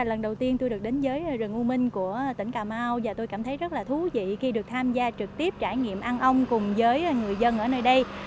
lần đầu tiên tôi được đến với rừng u minh của tỉnh cà mau và tôi cảm thấy rất là thú vị khi được tham gia trực tiếp trải nghiệm ăn ong cùng với người dân ở nơi đây